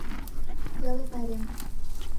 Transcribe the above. ТЕЛЕ ПАЙРЕМ